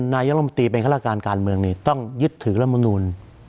นรองมาตรีเป็นครรภ์การการเมืองนี้ต้องยึดถือลามนูน